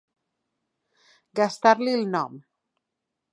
Gastar-li el nom.